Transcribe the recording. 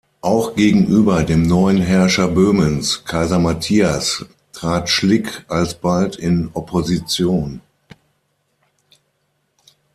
Auch gegenüber dem neuen Herrscher Böhmens, Kaiser Matthias, trat Schlick alsbald in Opposition.